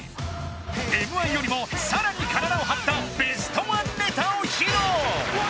Ｍ−１よりもさらに体を張ったベストワンネタを披露！